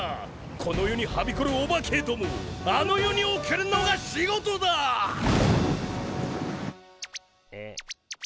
この世にはびこるオバケどもをあの世に送るのが仕事だ！え。